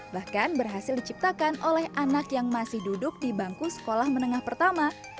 bahkan berhasil diciptakan oleh anak yang masih duduk di bangku sekolah menengah pertama